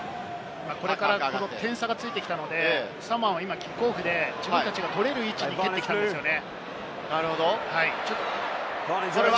これから点差がついてきたので、サモアはキックオフで自分たちが取れる位置に蹴ってきたんですよね。